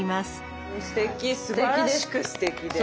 すてき。